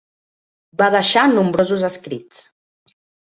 Va deixar nombrosos escrits.